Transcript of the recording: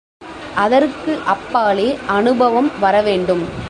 அதற்கு அப்பாலே அநுபவம் வரவேண்டும்.